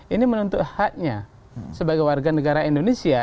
ini menuntut haknya sebagai warga negara indonesia